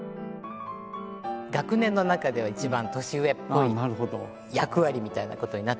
学年の中では一番年上っぽい役割みたいなことになってしまいまして。